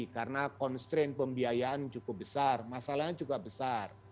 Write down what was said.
karena constraint pembiayaan cukup besar masalahnya cukup besar